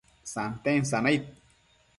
santen sanaid